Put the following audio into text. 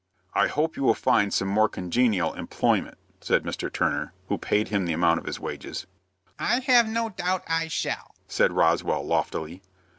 "I hope you will find some more congenial employment," said Mr. Turner, who paid him the amount of his wages. "I have no doubt I shall," said Roswell, loftily.